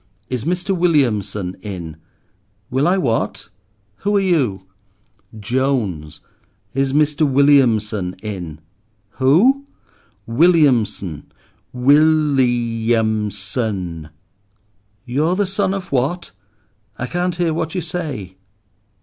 "Is Mr. Williamson in?" "Will I what—who are you?" "Jones! Is Mr. Williamson in?" "Who?" "Williamson. Will i am son!" "You're the son of what? I can't hear what you say."